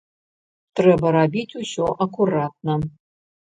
Трэба рабіць усё акуратна.